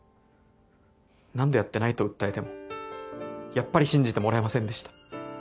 何度やってないと訴えてもやっぱり信じてもらえませんでした。